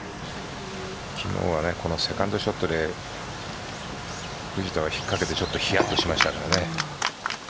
昨日はセカンドショットで藤田は引っかけて、ちょっとひやっとしましたからね。